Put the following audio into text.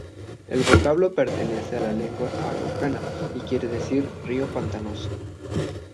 El vocablo pertenece a la lengua araucana y quiere decir: "río pantanoso".